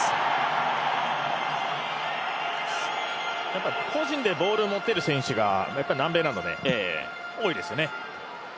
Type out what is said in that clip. やっぱ個人でボールを持てる選手がやっぱり南米なので多いですよね。